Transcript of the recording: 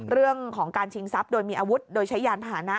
เรื่องของการชิงทรัพย์โดยมีอาวุธโดยใช้ยานพาหนะ